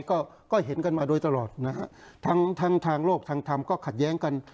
ก็ก็เห็นกันมาโดยตลอดนะฮะทั้งทั้งทางโลกทางธรรมก็ขัดแย้งกัน